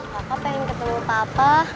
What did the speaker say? papa pengen ketemu papa